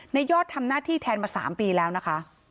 ยอดทำหน้าที่แทนมา๓ปีแล้วนะคะ